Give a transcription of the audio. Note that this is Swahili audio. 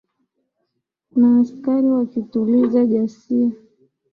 na askari wakituliza ghasia